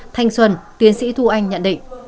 thành xuân tiến sĩ thu anh nhận định